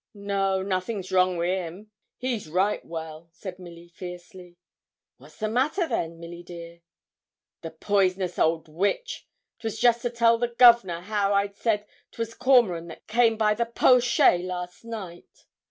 'No, nothing's wrong wi' him; he's right well,' said Milly, fiercely. 'What's the matter then, Milly dear?' 'The poisonous old witch! 'Twas just to tell the Gov'nor how I'd said 'twas Cormoran that came by the po'shay last night.'